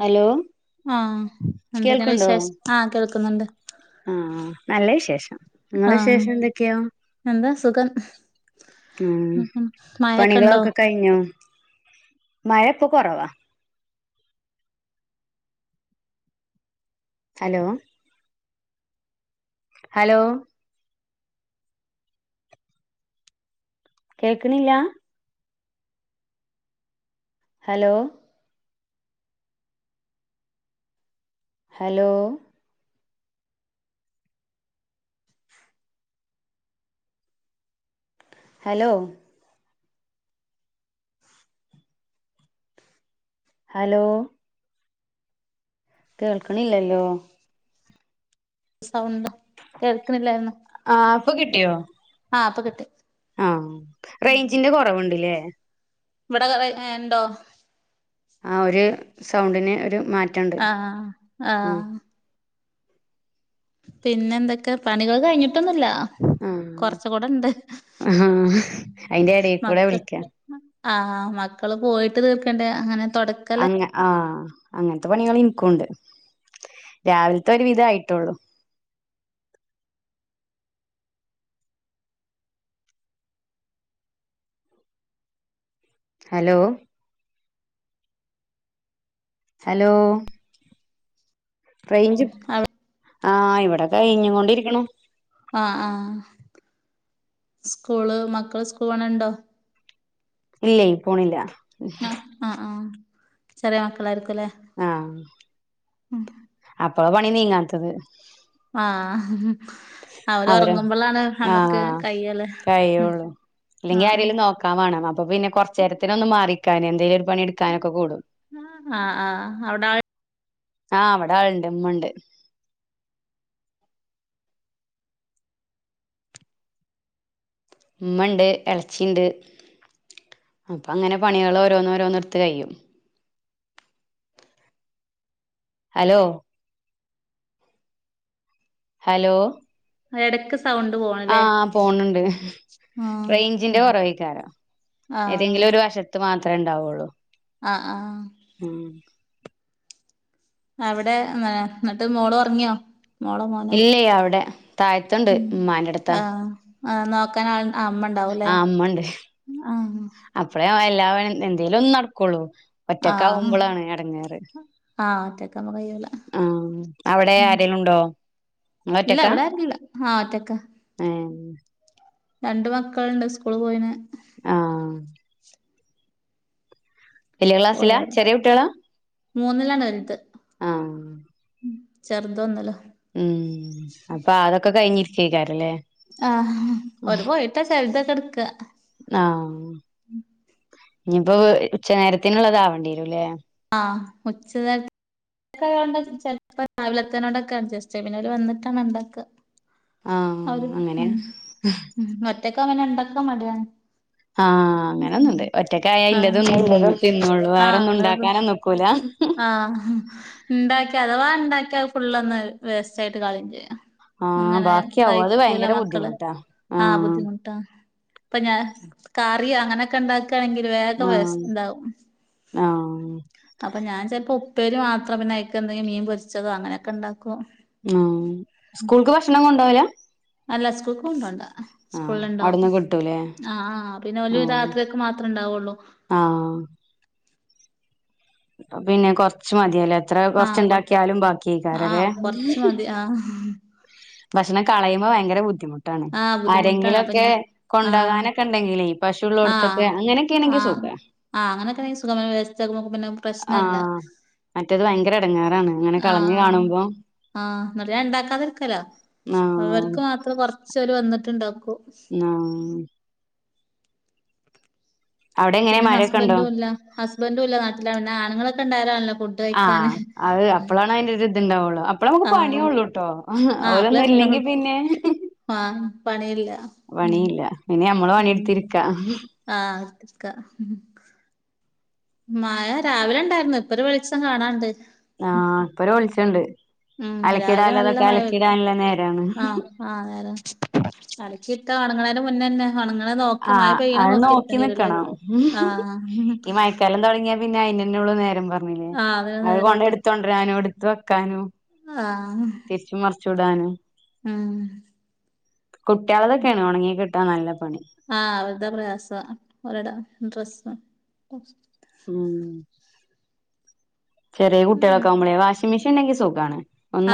Hello? ആഹ് എന്തക്കെയുണ്ട് കേൾക്കുണ്ടോ വിശേഷം ആഹ് കേൾക്കുന്നുണ്ട് ആഹ് നല്ല വിശേഷം നിങ്ങള ആഹ് വിശേഷം എന്തൊക്കെയാ? എന്താ സുഖം ഉം മഴൊക്കെ ഉണ്ടോ പണികളൊക്കെ കഴിഞ്ഞോ? മഴ ഇപ്പൊ കുറവാ ഹലോ? ഹലോ? കേൾക്കണില്ലാ ഹലോ? ഹലോ? ഹലൊ ഹലോ കേൾക്കണില്ലല്ലോ സൗണ്ട് കേൾക്കണില്ലായിരുന്നു ആഹ് ഇപ്പ കിട്ടിയോ? ആഹ് ഇപ്പൊ കിട്ടി ആഹ് റേഞ്ചിന്റെ കുറവുണ്ട്ലേ ഇവിടെ [unintelligible] ഏഹ് ഉണ്ടോ? ആഹ് ഒരു സൗണ്ടിന് ഒരു മാറ്റം ഉണ്ട് ആഹ് പിന്നെന്തെക്കെ പണികൾ കഴിഞ്ഞിട്ടൊന്നും ഇല്ല ആഹ് കുറച്ച് കൂടെ ഉണ്ട് ആഹ് അയിന്റെ എടേക്കൂടെ മക്ക് വിളിക്കാ ആഹ് മക്കള് പോയിട്ട് തീർക്കേണ്ടേ അങ്ങനെ തൊടക് ആഹ് അങ്ങനത്തെ പണികൾ എനിക്കും ഉണ്ട് രാവിലത്തെ ഒരു വിധായിട്ടൊള്ളു ഹലോ? ഹലോ? റെയ്ഞ്ച് അവി ആഹ് ഇവിടെ കഴിഞ്ഞ് കൊണ്ടിരിക്കുണു ആഹ് ആഹ് സ്കൂള് മക്കള് സ്കൂൾ ഉണ്ടോ? ഇല്ലേയ് പോണില്ല അഹ് അഹ് ആഹ് ചെറിയ മക്കളായിരിക്കുലേ ആഹ് അപ്പാ പണി നീങ്ങാത്തത് ആഹ് അവര് അവരൊറങ്ങുമ്പളാണ് അമ്മക്ക് കയ്യല് ല്ലെങ്കി ആഹ് ആരേലും നോക്കാം വാണം അപ്പൊപിന്നെ കൊർച്ചേരത്തിന് ഒന്ന് മാറിക്കാനെന്തേലൊരു പണിട്ക്കാനൊക്കെ കൂടും ആഹ് ആ അവിടാൾ ആഹ് വടാ ൾണ്ട് മ്മണ്ട് ഇമ്മണ്ട് എളച്ചിണ്ട് അപ്പങ്ങനെ പണികളോരോന്നോരോന്ന്ട്ത്ത് കയ്യും അലോ ഹലോ? എടക്ക്സ് ആഹ് പോണുണ്ട് ആഹ് റൈഞ്ചിന്റെ കൊറവേക്കാരം ആഹ് ഏതെങ്കിലും ഒരു വശത്ത് മാത്രേ ണ്ടാവൊള്ളു അഹ് ആഹ് ഉം അവിടെന്നെ ന്നെട്ട് മോളൊർങ്ങിയോ ഇല്ലേയ് അവിടെ താഴത്ത്ണ്ട് മ്മാന്റെട്ത്താ ആഹ് ആഹ് നോക്കാനാൾ ആഹ് മ്മൻ ആഹ് മ്മണ്ട് അപ്പഴേ എല്ലാപനും എന്തേലൊന്ന് നടക്കുള്ളൂ ആഹ് ഒറ്റക്കാവുമ്പോളാണ് എടങ്ങേറ് ആഹ് ഒറ്റക്കാവുമ്പോ കയ്യൂല ആഹ് അവിടെ ആരെലുണ്ടോ ല്ല വടാരുല്ല ആഹ് ഒറ്റക്കാ ഏഹ് രണ്ട് മക്കൾണ്ട് സ്കൂള് പോയിന് ആഹ് വെല്യ ക്ലാസ്സിലാ പോയവടെ ചെറിയകുട്ടികളാ മൂന്നിലാണ് ഒരുത്തൻ ആഹ് ചെർതൊന്ന് ലാ ഉം അപ്പാതൊക്കെ കഴിഞ്ഞിരിക്കേക്കാരല്ലേ ആഹ് ഒരു പോയിട്ടാ ചെൽതൊക്കെട്ക്കാ ആഹ് ഞ്ഞിപ്പോ ഉച്ച നേരത്തിനുള്ളത് ആവണ്ടിവരുംല്ലേ ആഹ് ഉച്ചനേര് ക്കായോണ്ട് ചെൽപ്പം രാവിലത്തെനേടൊക്കെ അഡ്ജസ്റ്റ് ചെയ്യ് പിന്നോല് വന്നിട്ടാണ് ണ്ടാക്കുക ആ അവര് അങ്ങനെ ഉം ഒറ്റക്കങ്ങനെ ണ്ടാക്കാ മടിയാണ് ആഹ് അങ്ങനൊന്നുണ്ട്. ഒറ്റക്കായ ആഹ് ഇല്ലതൊന്നും തിന്ന് തിന്നേള്ളു ആഹ് വേറൊന്നും ഇള്ളത് ണ്ടാക്കാനോ നിക്കൂല ആഹ് ണ്ടാക്കിയ അഥവാ ഉണ്ടാക്കിയ ഫുള്ളൊന്ന് വേസ്റ്റായിട്ട് കളയേംചെയ്യും ആ അങ്ങനെ ബാക്കിയാവും അത് കയിക്കൂല ഭയങ്കര മക്കള് ബുദ്ധിമുട്ടാ ആ ആഹ് ബുദ്ധിമുട്ടാണ് പ്പ ഞാൻ കറി അങ്ങനൊക്കെണ്ടാക്കാണെങ്കില് വേഗം വെസ് ആ ണ്ടാവും ആഹ് അപ്പ ഞാൻ ചെൽപ്പോ ഉപ്പേരി മാത്രം പിന്നെ അയ്ക്കെന്തെയും മീൻ പൊര്ച്ചതോ അങ്ങനൊക്കെണ്ടാക്കും ആഹ്. സ്കൂൾക്ക് ഭക്ഷണം കൊണ്ടോവൂല അല്ല സ്കൂൾക്ക് കൊണ്ടോണ്ട ആഹ് സ്കൂൾല് ണ്ടാവും അവിടുന്ന് കിട്ടൂലേ ആഹ് ആഹ് പിന്നോല് ആഹ് രാത്രിയക്ക് മാത്രേ ണ്ടാവൊള്ളൂ ആഹ് പിന്നെ കൊറച്ച് മതിയല്ലോ എത്ര ആഹ് കൊ കൊറച്ചുണ്ടാക്കിയാലും ബാക്കിക്കാറല്ലേ ആഹ് കൊറച്ച് മതി ആഹ് ഭക്ഷണം കളയുമ്പോ ഭയങ്കര ബുദ്ധിമുട്ടാണ് ആഹ് ബുദ്ധിമുട്ടാണ് അപ്പൊ ആരെങ്കിലുവൊക്കെ ഞാൻ ആഹ് കൊണ്ടാകാനൊക്കെ ണ്ടെങ്ങനേ ആഹ് പശുള്ളോടുത്തൊക്കെ അങ്ങനെയൊക്കെയാണെങ്കി ആഹ് സുഖാ ആഹ് അങ്ങനൊക്കെ നി സുഖമായ വ്യവസ്ഥ നേക്കുമ്പോ പിന്നെ പ്രശ്നല്ല ആഹ് മറ്റേത് ഭയങ്കര എടങ്ങേറാണ് അങ്ങനെ കളഞ്ഞു ആഹ് കാണുമ്പോ ആഹ് ന്നറിയാ ഇണ്ടാക്കാതിരിക്കാലോ ആഹ് അവർക്ക് മാത്രം കൊറച്ച്‌ ഓല് വന്നിട്ടിണ്ടാക്കൂ ന്നാ അവിടെ എങ്ങനെ പിന്നെ മഴയൊക്കെ ഉണ്ടോ ഹസ്ബൻറ്റും ഇല്ല ഹസ്ബൻറ്റും ഇല്ല നാട്ടില് പിന്നെ ആണുങ്ങളൊക്കെ ഇണ്ടായലാണല്ലോ ഫു ആഹ് അത് അപ്പളാണ് അതിന്റെ ഒരി തിണ്ടാവുള്ളൂ അപ്പളാ നമുക്ക് ആ പണിയുളളുട്ടോ അവരൊന്നും ഇല്ലെങ്കി പിന്നെ ആഹ് പണിയില്ല ഉം പണിയില്ല ഇനി നമ്മള് പണിയെടുത്തിരിക്കാ ആഹ് ഇക്ക മയ രാവിലെ ഇണ്ടാരുന്നു ഇപ്പൊരു വെളിച്ചം കാണാണ്ട് ആഹ് ഇപ്പൊരു വെളിച്ചണ്ട് ഉം രാവിലെ അലക്കിടാനില്ലതൊക്കെ അലക്കിടാനില്ല നേരാണ് ആഹ് അതേതെ അലക്കി ഇട്ടാ ഒണങ്ങണേന് മുന്നേന്നെ ഒണങ്ങളെ നോക്കി മയ ആഹ് പെയ്യണ അത് നോക്കി നോക്കിരിക്കേണ്ടിവരൂല്ലേ നിക്കണം ആഹ് ആഹ് [unintelligible] തൊടങ്ങിയ പിന്നെ അയിനന്നേയുള്ളൂ നേരം പറഞ്ഞില്ലേ ആ അതിനേ അത് പണി നേരമുള്ളൂ കൊണ്ടരാനും എടുത്ത് വെക്കാനും ആഹ് തിരിച്ചും മറിച്ചു ഇടാനും ഉം കുട്ട്യാൾടതൊക്കെയാണ് ഒണങ്ങി കിട്ടാൻ നല്ല പണി. ആഹ് അവര്തെ പ്രയാസാ അവർടെ ഡ്രസ്സ് ഉം ചെറിയ ഉം കുട്ടികളൊക്കെ ആകുമ്പളേ. വാഷിംഗ് മെഷീൻണ്ടെങ്കി സുഖാണ്.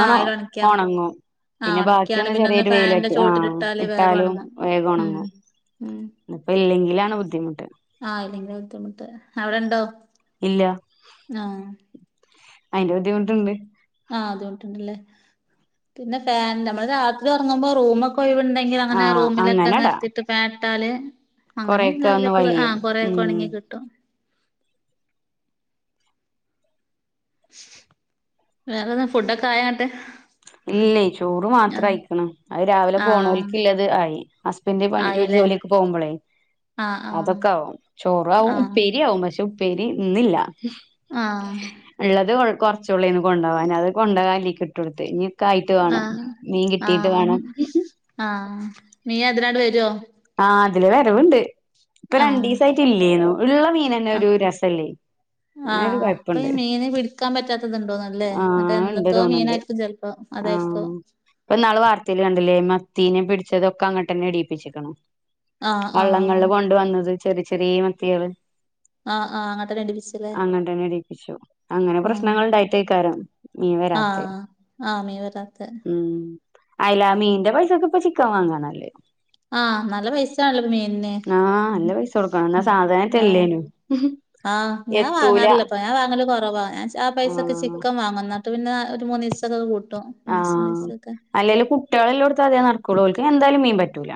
ആഹ് അയിലൊണക്ക്യാ ഓണങ്ങോ. ആഹ് പിന്നെ ഒണക്ക്യാണ്ട് ബാക്കിയൊന്ന് പിന്നൊന്ന് ചെറിയൊരു ഫാന്റെ വെയിലട്ടി ആഹ് ചോട്ടിലിട്ടാല് വേഗം ഇട്ടാലും ഒണങ്ങും വേഗം ഉം ഒണങ്ങും. ഉം ഇപ്പോ ഇല്ലെങ്കിലാണ് ബുദ്ധിമുട്ട്. ആഹ് ഇല്ലെങ്കി ബുദ്ധിമുട്ട് അവിടെണ്ടോ. ഇല്ല ആഹ് അയിന്റെ ബുദ്ധിമുട്ടുണ്ട്. ആഹ് അത് മുട്ടുണ്ടല്ലേ. പിന്നെ ഫാൻ നമ്മള് രാത്രി ഒറങ്ങുമ്പോ റൂമ ക്കെ ഒയിവിണ്ടെങ്കിലങ്ങനെ ആഹ് റൂമിലൊക്കെ അങ്ങനെടാ നിർത്തിട്ട് ഫാനിട്ടാല് അങ്ങനെയങ്ങ് കൊറെയൊക്കെ ഒന്ന് അവിടൊക്കെ വലിയും ആഹ് കൊറേക്കെ ഉം ഒണങ്ങി കിട്ടും. വേറെന്നാ. ഫുഡൊക്കെ ആയാ ന്ന്ട്ട്. ഇല്ലേയ് ചോറ് മാത്ര ആയിക്കണു അത് രാവിലെ ആഹ് പോണോലുക്കിള്ളത് ആയി. ഹസ്ബന്റ് പണി [unintelligible] ആയില്ലേ ജോലിക്ക് പോകുമ്പളേ. ആഹ് ആഹ് അതൊക്കാവും. ചോറാവും ആഹ് ഉപ്പേരിയാവും പക്ഷെ ഉപ്പേരി ഇന്നില്ല. ആഹ് ഇള്ളത് കൊ കുറച്ചൊള്ളേന് കൊണ്ടാകാന് അത് കൊണ്ടാകാനില്ലേക്ക് ഇട്ട് കൊടുത്ത്. ഇനി ക്കായിട്ട് വേണം. ആഹ് മീൻ കിട്ടീട്ട് ആഹ് വേണം. ആഹ് മീനതിനാണ്ട് വരുവോ. ആഹ് അതില് വരവുണ്ട്. ഇപ്പൊ ആഹ് രണ്ടീസായിട്ട് ഇല്ലേനു. ഒരു വക മീനന്നെ ഒരു ആഹ് രസല്ലേ. അങ്ങനൊരു ആഹ് അപ്പൊ ഈ കൊഴപ്പുണ്ട് മീന് പിടിക്കാൻ പറ്റാത്തതുണ്ടോന്നല്ലേ എന്നട്ട് ആഹ് ഇണ്ട് എന്നത്തോ തോന്ന്ണ്ട് മീനാരിട്ടും ചെലപ്പോ. ആഹ് അതാരിക്കും. ഇപ്പൊ നാള് വാർത്തയിൽ കണ്ടില്ലേ. മത്തീനെ പിടിച്ചതൊക്കെ അങ്ങട്ട തന്നെ ഇടിയിപ്പിച്ചിക്കണം. ആഹ് ആഹ് വള്ളങ്ങളില് കൊണ്ട വന്നത് ചെറിയ ചെറിയ മത്തികള്. ആഹ് ആഹ് അങ്ങട്ടന്നെ ഇടിപ്പിച്ചല്ലേ അങ്ങനെ തന്നെ ഇടിപ്പിച്ചു അങ്ങനെ ആഹ് പ്രശ്നങ്ങൾ ഉണ്ടായിട്ടേക്കാര ഇവ രാത്രി ആഹ് ആഹ് മീൻ വരാത്തെ ഉം അയില്ല മീന്റെ പൈസൊക്കെ ഇപ്പൊ ചിക്കൻ വാങ്ങാനല്ലേ ആഹ് നല്ല പൈസാണല്ലോ മീനെ ആഹ് നല്ല പൈസ കൊടുക്കണം എന്നാ ആഹ് സാധാരണട്ടല്ലേനു ആഹ് ഞാ വാങ്ങാറില്ലപ്പപ്പോ ഞൻ വാങ്ങല് കുറവാ. ഞാൻ ആഹ പൈസൊക്കെ ആഹ് ചിക്കൻ വാങ്ങുന്ന പിന്നെ ഒരു മൂന്ന് ദിവസംക്കെ കൂട്ടും. മൂന്ന ദിവസൊക്കെ അല്ലെല് കുട്ടികളെല്ലോടുത്ത അതേ നടക്കുള്ളോലക്ക് എന്താലും മീൻ പറ്റൂല.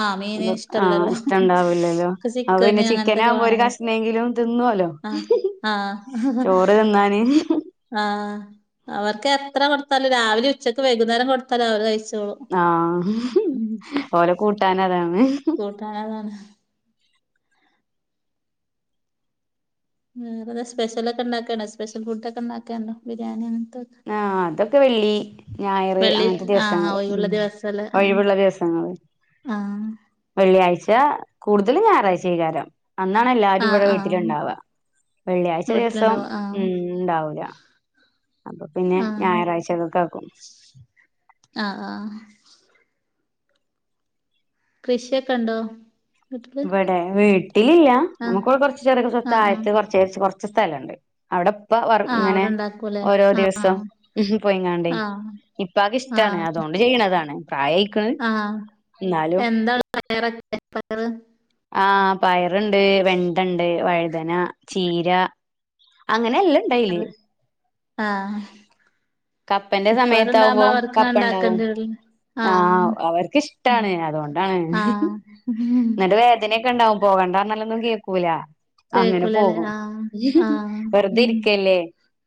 ആഹ് മീന് അഹ ആഹ് ഇഷ്ടല്ലല്ലോ ഇഷ്ട ഉണ്ടാവൂല്ലല്ലോ ക്ക് അപ്പ പിന്നെ ചിക്കന് ചിക്കന അങ്ങനത്തൊക്കെ ആവുമ്പോ ഒരു വേണല്ലോ കഷ്ണമെങ്കിലും തിന്നുവല്ലോ. ആഹ് ചോറ് തിന്നാന് ആഹ അവർക്ക് എത്ര കൊടുത്താലോ രാവിലെ ഉച്ചക്ക് വൈകുന്നേരം കൊടുത്താലോ അവര് കഴിച്ചോളൂ. ആഹ ഓല കൂട്ടാന അതാണ് കൂട്ടാനണ്. വേറെതാ സ്പെഷ്യലക്കെ ഉണ്ടാക്കണ്ടണ്ട് സ്പെഷ്യൽ ഫുഡക്കെ ഉണ്ടാക്കണ്ടോ ബിരിയാണിയ അന ആഹ് അതൊക്കെ വെള്ളി ഞായർ വെള്ളി അങ്ങനത്തെ ആഹ് ദിവസങ്ങൾ ഉ ഒഴിവുള്ള ദിവസല്ലേ ആഹ് ഒഴിവുള്ള ദിവസങ്ങള്. ആഹ് വെള്ളിയാഴ്ച കൂടുതൽ ഞായറാഴ്ച ചെയകാരം അന്നാണ് എല്ലാരും ആഹ് ഇവിടെ ആഹ് വീട്ടിലുണ്ടാവുക. വെള്ളിയാഴ്ച ദിവസം വീട്ടിലുണ്ടാവും ഉം ഉണ്ടാവല ആഹ ആക്കും ആഹ ആഹ കൃഷിയൊക്കെ ഉണ്ടോ വീട്ടില് ഇവിടെ വീട്ടിലല്ല ആഹ് നമുക്കിവിടെ കുറച്ച ചേറക്ക സ്വത്ത ആഹ് ആഹ് ആയത്ത് കൊറച്ചേ കൊറച്ച് സ്ഥലണ്ട് അവിടെപ്പ വ ആഹ് ഇങ്ങനെ അവിടെ ഇണ്ടാക്കൂലേ ഓരോ ദിവസം ആഹ് ഉപോയിങ്ങാണ്ട ആഹ് ഇപ്പൊക്കെ ഇഷ്ടമാണ് അതുകൊണ്ട് ചെയ്യണതാണ് പയി ആഹ എന്താണ് പയറക്കെ പയറ് ആഹ പയറുണ്ട് വെണ്ടുണ്ട് വഴുതന ചീര അങ്ങനെയല്ലേ അഹ ആഹ കപ്പന്റെ സമയത്ത ആകുമ്പോം കപ്പ ഉണ്ടാവും ഇണ്ടാക്കേണ്ടി വരില്ല ആഹ് അവർക്ക് ഇഷ്ടാണ് അതുകൊണ്ടാണ് ആഹ് എന്നിട്ട് വേദനയൊക്കെ ഉണ്ടാവും പോകണ്ടന്നല്ലൊന്നും കേൾക്കൂല അങ്ങനെ കേക്കൂലല്ലേ പോകും ആഹ് ആഹ് വെറുതെ ഉം ഇരിക്കല്ലേ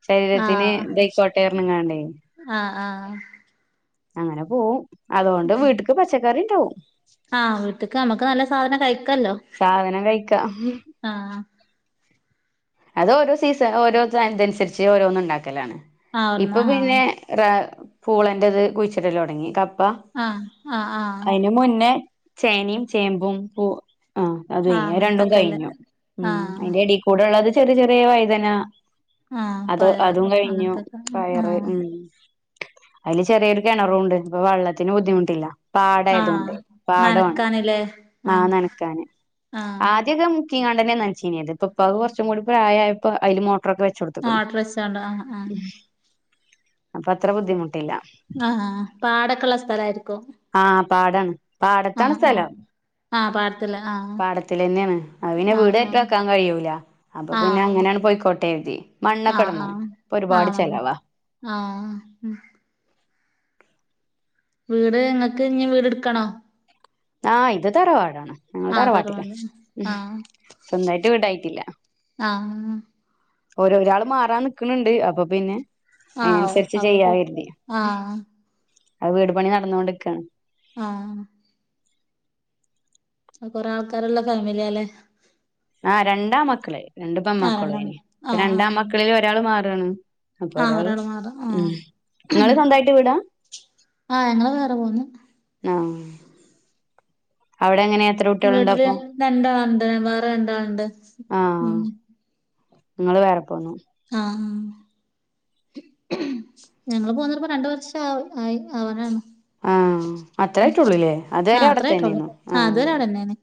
ശരീരത്തിന് ദൈ കൊട്ടേറന്ന്ങ്ങാണ്ടേ ആഹ ആഹ അങ്ങനെ പോവും അതുകൊണ്ട് വീട്ടക്ക് പച്ചക്കറി ഉണ്ടാവും ആഹ വീട്ടക്ക് നമ്മുക്ക് നല്ല സാധനം കഴിക്കല്ലോ സാധനം കഴിക്കാം ആഹ അത് ഓരോ സീസൺ ഓരോ ഇതനുസരിച്ച് ഓരോന്നും ഉണ്ടാക്കലാണ് ആഹ് അവിടുന്ന് ഇപ്പൊ ആഹ് പിന്നെ പൂളന്റെറത് കുഴിച്ചിടല്ല തുടങ്ങി കപ്പ ആഹ് ആഹ് ആഹ് അതിന് മുന്നേ ചേനയും ചേമ്പും പൂ ആഹ അത് ആഹ് കഴിഞ്ഞു രണ്ടും അങ്ങനത്തൊക്കെല്ലേ കഴിഞ്ഞു ഉം ആഹ് അതിറെടി കൂടെള്ളത് ചെറിയ ചെറിയ വൈദന ആഹ് അത് പഴ അതും കഴിഞ്ഞു അങ്ങനത്തൊക്കെ പയറ് ആഹ് ഉം അതില് ചെറിയൊരു കിണറുണ്ട് ഇപ്പൊ വെള്ളത്തിന് ബുദ്ധിമുട്ടില്ല പാടായത ആഹ് കൊണ്ട് പാടമാണ് നനക്കാന്ല്ലേ നാ ആഹ് നനക്കാന് ആഹ് ആദ്യകം മുക്കിക്കാണ്ടെന്നെ നന്ച്ചീനത് പ്പ ഇപ്പാക്ക് കുറ്ച്ച്കൂടി പ്രായായപ്പോ അയ്ല് മോട്ട്ർ മോട്ട്റോക്കെ വെച്ചോട്ത്ത്ക്ക്ണ് മോട്ടർ വെച്ചാണ്ട് ആഹ് ആഹ് അപ്പൊ അത്ര ബുദ്ധിമുട്ടില്ല ആഹ് ആഹ് പാടൊക്കെള്ള സ്ഥലയിരിക്കും ആഹ് പാടാണ് പാടത്താണ് സ്ഥലം ആഹ് പാടത്തില് ആഹ് പാടത്തിലെന്നെണ് അപ്പൊപിന്നെ ആഹ് വീടായിട്ട് ആഹ് വെക്കാൻ കയൂല അപ്പൊ പിന്നെ ആഹ് അങ്ങനെണ് പോയിക്കോട്ടെര്തി ആഹ് മണ്ണൊക്കെടണം ആഹ് ഒരുപാട് ആഹ് വന്നു ചെലവാ ആഹ് വീട് ഞങ്ങക്ക് ഇഞ്ഞി വീട് ഇട്ക്കണോ ആഹ് ഇത് തറവാടാണ് ഞങ്ങള് ആഹ് തറവാട്ടില തറവാട് ഉം ആഹ് സ്വന്തയിട്ട് വീടായിട്ടില്ല ആഹ് ഓരോ ഒരാൾ മാറാൻ നിക്കുണുണ്ട് അപ്പൊ പിന്നെ ആഹ് അയ്നന്സരിച്ച് അവര് ചെയ്യാ പോ കരുതി ആഹ് അത് വീടു പണി നടന്നോണ്ടിരിക്കാണ് ആഹ് അഹ് കൊറെേ ആൾക്കാർള്ള ഫാമിലിയല്ലേ ആഹ് രണ്ടാമക്കള് രണ്ട് ആഹ് രണ്ടെണ്ണം പെമ്മക്കളുയ്നി ഇപ്പ ആഹ് ആഹ് രണ്ടാമക്കളില് ഒരാൾ മാറാണ് അപ്പൊ ആഹ് ഒരാള് മാറാ ഉം ആഹ് നിങ്ങള് സ്വന്തയിട്ട് വീടാ ആഹ് ഞങ്ങള് വേറെ പോന്നു ആഹ് അവിടെ എങ്ങനെയ വീട്ടില് രണ്ടാള്ണ്ട് വേറെ രണ്ടാള്ണ്ട് ഉം ങ്ങള് വേറെ പോന്നു ആഹ് ഞങ്ങള് പോന്നട്ട്പ്പോ രണ്ട് വർഷ ആവ് ആയി ആവാനാണ് ആഹ് അത്രായിട്ടൊള്ളൂല്ലേ അത്വരെ ആഹ് അത്രായിട്ടൊള്ളൂ അവിടെത്തന്നെയ്ന്നു ആഹ് അതുവരെ അവിടെന്നേണ്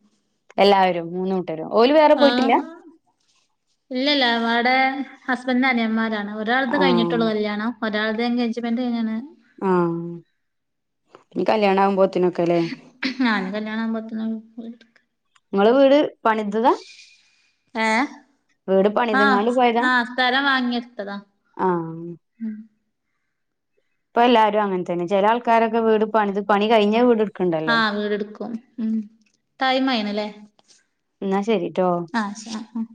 എല്ലാവരും മൂന്ന് കൂട്ടരും ഓല് വേറെ പോയിട്ടില്ല ആഹ് ഇല്ലല്ല അവടെ ഹസ്ബന്റിന്റെ അനിയന്മാരാണ് ഒരാൾത്ത് ആ കഴിഞ്ഞിട്ടുള്ളൂ കല്യാണം ഒരാള്ടെ എഗേജ്മെന്റ് കയിഞ്ക്ക്ണ് ആഹ് ഇഞ്ഞി കല്യാണാകുമ്പോത്തിനൊക്കലേ. ഞ്ഞി കല്യാണാകുമ്പോത്തിന് ഓല് പോയി ഇങ്ങളെ വീട് പണിതതാ. ഏഹ്, വീട് പണിതങ്ങാണ്ട് ആഹ് പോയതാ ആഹ് സ്ഥലം വാങ്ങിട്ത്തതാ. ആ ഉം. ഇപ്പൊല്ലാരും അങ്ങൻ തന്നെ, ചെലെആൾക്കാരൊക്കെ വീട് പണിത് പണി കഴിഞ്ഞ വീട് ഇട് ആഹ് വീട് ട്ക്കും, ഉം ടൈമായീണ്ലേ. എന്നാ ശരിട്ടോ ആഹ് ആഹ് ആഹ്